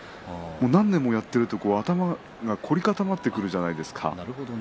何年もやっていると頭が凝り固まってくるじゃないですか。